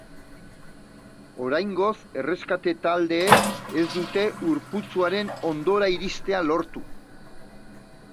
Oraingoz erreskate taldeek ez dute ur putzuaren hondora iristea lortu.